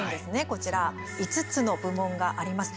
こちら、５つの部門があります。